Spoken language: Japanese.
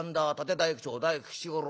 大工町大工吉五郎